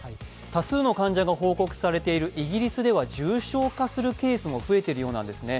多数の患者が報告されているイギリスでは重症化するケースも増えているようなんですね。